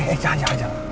eh eh eh jalan jalan